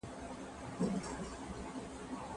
دا عدد شپږويشت دئ.